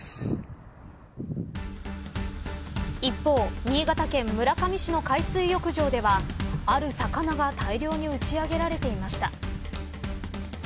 一方、新潟県村上市の海水浴場ではある魚が大量にうち上げられていました。